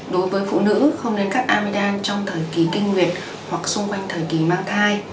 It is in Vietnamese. đối với phụ nữ không đến cắt amidam trong thời kỳ kinh nguyệt hoặc xung quanh thời kỳ mang thai